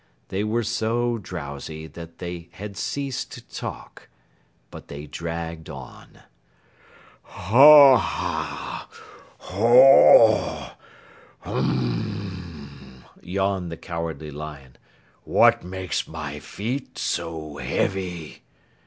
They were so drowsy that they had ceased to talk. But they dragged on. "Hah, hoh, hum!" yawned the Cowardly Lion. "What makes my feet so heavy?"